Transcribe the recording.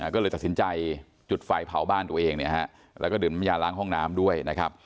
ก็เลยตัดสินใจจุดไฟเผาบ้านตัวเองและก็ดื่มยาล้างห้องน้ำด้วย